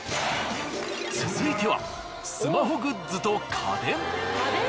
続いてはスマホグッズと家電。